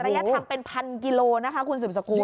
ระยะทั้งเป็น๑๐๐๐กิโลกรัมคุณศึกษากูล